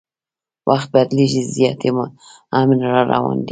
وخت بدلیږي زیاتي امن راروان دی